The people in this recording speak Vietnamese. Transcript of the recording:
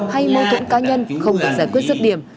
hay mâu thuẫn cá nhân không được giải quyết rứt điểm